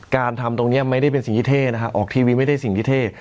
การทำตรงนี้ไม่ได้เป็นสิ่งที่เท่นะฮะออกทีวีไม่ได้สิ่งที่เท่